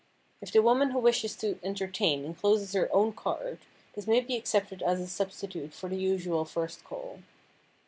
If the woman who wishes to entertain encloses her own card this may be accepted as a substitute for the usual first call.